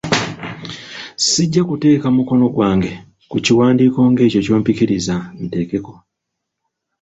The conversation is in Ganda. Sijja kuteeka mukono gwange ku kiwandiiko ng’ekyo ky'ompikiriza nteekeko.